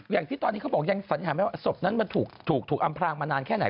อย่างที่ตอนนี้เขาบอกยังสัญหาไม่ว่าศพนั้นมันถูกอำพลางมานานแค่ไหน